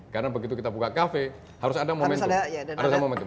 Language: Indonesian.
karena begitu kita buka cafe harus ada momentum